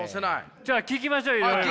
じゃあ聞きましょういろいろ。